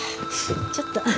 ちょっと。